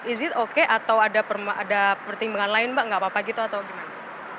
is it okay atau ada pertimbangan lain mbak gak apa apa gitu atau gimana